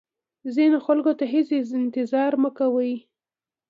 ځینو خلکو ته هیڅ انتظار مه کوئ.